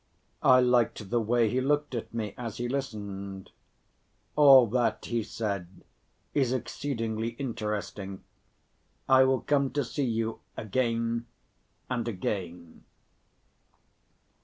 I liked the way he looked at me as he listened. "All that," he said, "is exceedingly interesting. I will come to see you again and again."